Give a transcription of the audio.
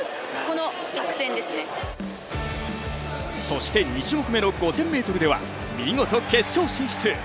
そして２種目めの５０００ｍでは見事決勝進出！